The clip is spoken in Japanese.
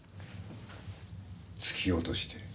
突き落として。